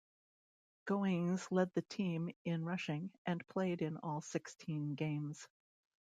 Goings led the team in rushing, and played in all sixteen games.